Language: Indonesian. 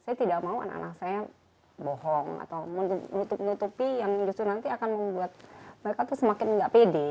saya tidak mau anak anak saya bohong atau menutup nutupi yang justru nanti akan membuat mereka tuh semakin nggak pede